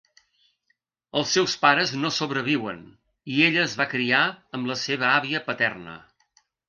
Els seus pares no sobreviuen, i ella es va criar amb la seva àvia paterna.